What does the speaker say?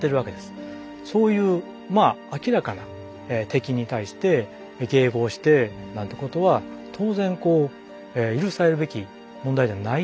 そういうまあ明らかな敵に対して迎合してなんてことは当然こう許されるべき問題じゃないのですよね。